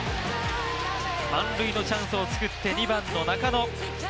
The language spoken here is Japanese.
満塁のチャンスを作って２番の中野。